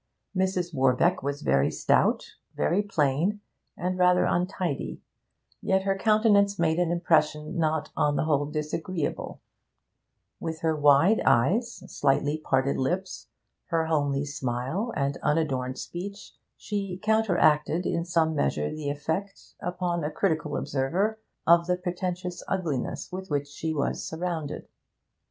Mrs. Warbeck was very stout, very plain, and rather untidy, yet her countenance made an impression not on the whole disagreeable; with her wide eyes, slightly parted lips, her homely smile, and unadorned speech, she counteracted in some measure the effect, upon a critical observer, of the pretentious ugliness with which she was surrounded.